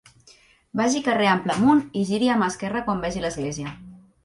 Vagi carrer Ample amunt i giri a mà esquerra quan vegi l'església.